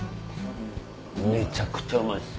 めちゃくちゃうまいです。